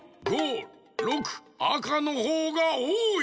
あかのほうがおおい。